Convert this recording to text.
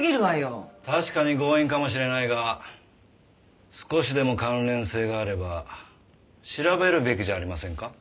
確かに強引かもしれないが少しでも関連性があれば調べるべきじゃありませんか？